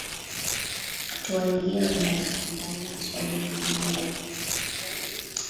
Tuwainge wende mbali, kiswahili tujijenge,